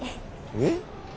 えっ？